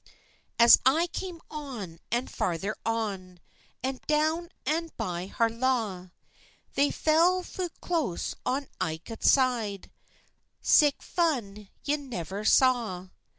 As I cam on, an farther on, An doun an by Harlaw, They fell fu close on ilka side; Sic fun ye never saw.